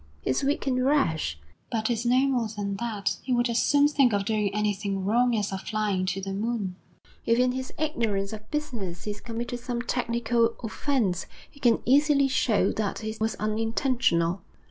He's weak and rash, but he's no more than that. He would as soon think of doing anything wrong as of flying to the moon. If in his ignorance of business he's committed some technical offence, he can easily show that it was unintentional.'